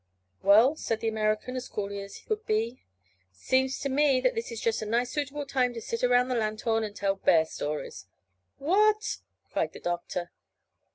"Well," said the American, as coolly as could be, "seems to me that this is just a nice suitable time to sit round the lanthorn and tell bear stories." "What!" cried the doctor.